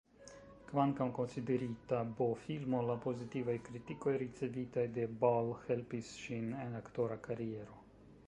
Kvankam konsiderita B-filmo, la pozitivaj kritikoj ricevitaj de Ball helpis ŝin en aktora kariero.